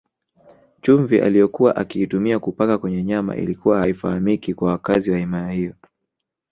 Chumvi aliyokuwa akiitumia kupaka kwenye nyama ilikuwa haifahamiki kwa wakazi wa himaya hiyo